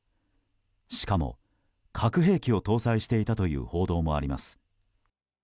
しかも核兵器を搭載していたという報道もあります。